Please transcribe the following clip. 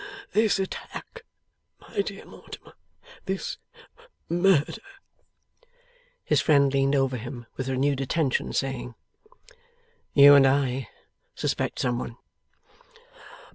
This attack, my dear Mortimer; this murder ' His friend leaned over him with renewed attention, saying: 'You and I suspect some one.